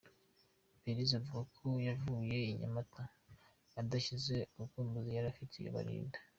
Belise avuga ko yavuye i Nyamata adashize urukumbuzi yari afitiye Belinda.